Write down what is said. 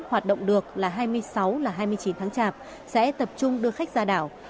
hoạt động được là hai mươi sáu là hai mươi chín tháng chạp sẽ tập trung đưa khách ra đảo